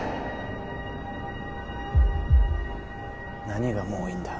何がもういいんだ？